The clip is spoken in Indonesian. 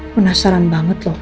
penasaran banget loh